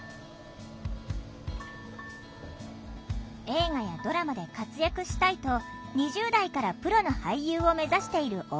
「映画やドラマで活躍したい」と２０代からプロの俳優を目指している大城さん。